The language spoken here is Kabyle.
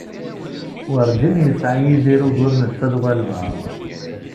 Werǧin yesεa Yidir ugur netta d walbaεḍ.